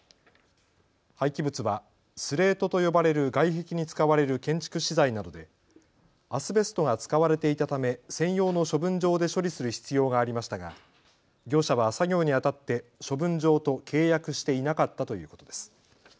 廃棄物はスレートと呼ばれる外壁に使われる建築資材などでアスベストが使われていたため専用の処分場で処理する必要がありましたが業者は作業にあたって処分場と契約していなかったということです。